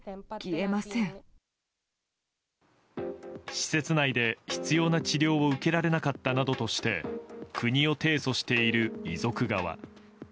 施設内で必要な治療を受けられなかったなどとして国を提訴している遺族側。